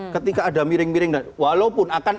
ketika ada miring miring walaupun akan